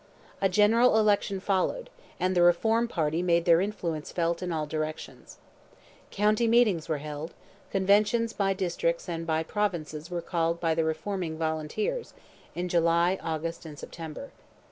A general election followed, and the reform party made their influence felt in all directions. County meetings were held; conventions by districts and by provinces were called by the reforming Volunteers, in July, August, and September.